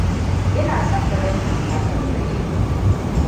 Ina son brandy ta kai tsaye.